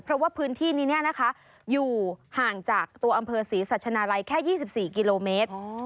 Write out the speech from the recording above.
เพราะว่าพื้นที่นี้อยู่ห่างจากตัวอำเภอศรีสัชนาลัยแค่๒๔กิโลเมตร